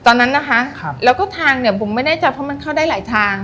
ตอนนั้นนะคะครับแล้วก็ทางเนี่ยบุ๋มไม่แน่ใจเพราะมันเข้าได้หลายทาง